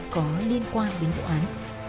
có liên quan đến vụ án